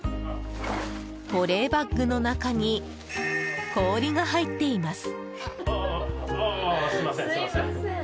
保冷バッグの中に氷が入っています。